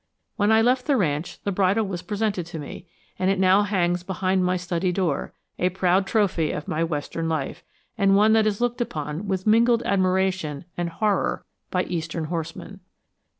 When I left the ranch the bridle was presented to me, and it now hangs behind my study door, a proud trophy of my western life, and one that is looked upon with mingled admiration and horror by eastern horsemen.